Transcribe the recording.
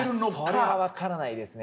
いやそれは分からないですね。